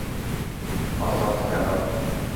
অত ভাবছ কেন?